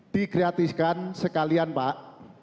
dikratiskan sekalian pak